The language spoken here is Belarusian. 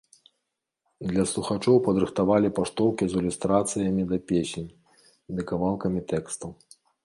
Для слухачоў падрыхтавалі паштоўкі з ілюстрацыямі да песень ды кавалкамі тэкстаў.